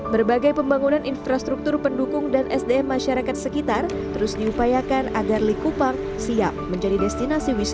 berbagai pembangunan infrastruktur pendukung dan sdm masyarakat sekitar terus diupayakan agar likupang siap menjadi destinasi wisata